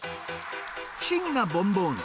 不思議なボンボーヌ。